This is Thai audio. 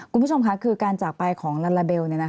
คุณผู้ชมค่ะคือการจากไปของลาลาเบล